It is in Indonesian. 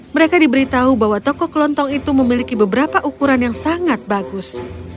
mereka diberitahu bahwa toko kelontong itu memiliki beberapa ukuran yang sangat bagus